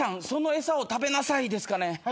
その餌を食べなさいですかね？